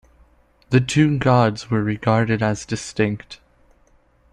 The two gods were regarded as distinct.